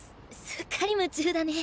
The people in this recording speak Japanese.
すっかり夢中だね。